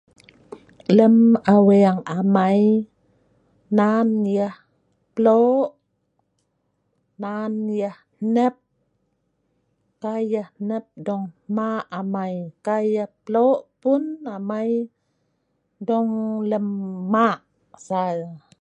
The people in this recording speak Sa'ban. Lem aweeng amai, nan yeh plo', nan yeh hnep. Kai yeh hnep dong hma' amai, kai yeh plo' pun amai dong lem ma' ngai.